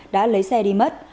đã lấy xe đi mất